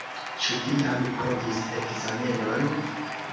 Ĉu vi jam provis ekzamenon?